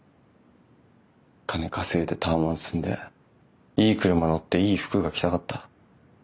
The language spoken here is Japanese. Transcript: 金稼いでタワマン住んでいい車乗っていい服が着たかった。